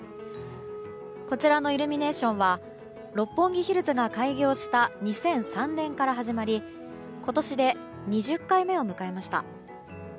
こちらのイルミネーションは六本木ヒルズが開業した２００３年から始まり今年で２０回目を迎えました。